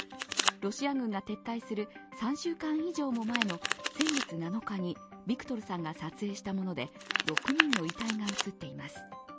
ロシア軍が撤退する３週間以上も前の先月７日にビクトルさんが撮影したもので、６人の遺体が映っています。